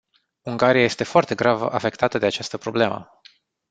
Ungaria este foarte grav afectată de această problemă.